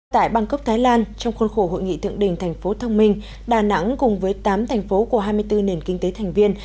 tại bangkok thái lan trong khuôn khổ hội nghị thượng đình thành phố thông minh đà nẵng cùng với tám thành phố của hai mươi bốn nền kinh tế thành viên